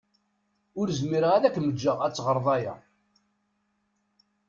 Ur zmireɣ ara ad kem-ǧǧeɣ ad teɣreḍ aya.